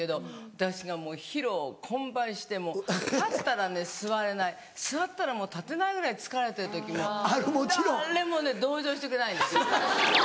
私がもう疲労困憊して立ったら座れない座ったらもう立てないぐらい疲れてる時も誰もね同情してくれないんですよ。